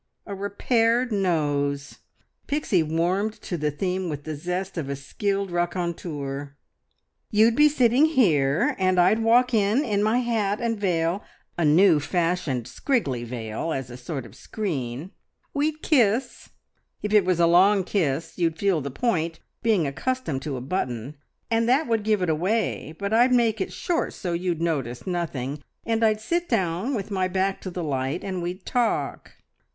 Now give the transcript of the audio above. A repaired nose! Pixie warmed to the theme with the zest of a skilled raconteur. ... "You'd be sitting here, and I'd walk in in my hat and veil a new fashioned scriggley veil, as a sort of screen. We'd kiss. If it was a long kiss, you'd feel the point, being accustomed to a button, and that would give it away, but I'd make it short so you'd notice nothing, and I'd sit down with my back to the light, and we'd talk.